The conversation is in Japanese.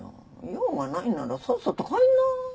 用がないならさっさと帰りな。